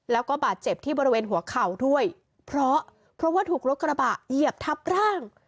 แล้วก็บาดเจ็บที่บริเวณหัวเข่าด้วยเพราะเพราะว่าถูกรถกระบะเหยียบทับร่าง